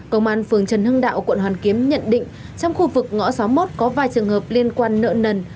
công an phường trần hưng đạo quận hoàn kiếm nhận định trong khu vực ngõ sáu mươi một có vài trường hợp liên quan nợ nần